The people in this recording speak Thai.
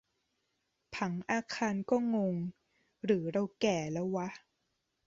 ผังอาคารก็งง หรือเราแก่แล้ววะ